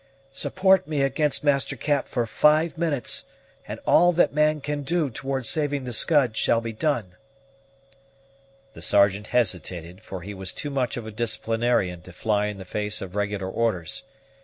"Support me against Master Cap for five minutes, and all that man can do towards saving the Scud shall be done." The Sergeant hesitated, for he was too much of a disciplinarian to fly in the face of regular orders.